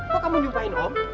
kok kamu nyumpain om